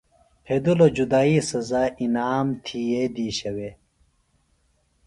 پھیدِلوۡ جدائی سزا انعام تھیئے دیشہ وے۔